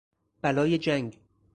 بلای جنگ